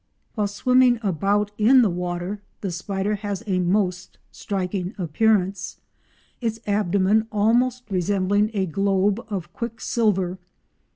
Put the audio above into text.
While swimming about in the water the spider has a most striking appearance, its abdomen almost resembling a globe of quicksilver.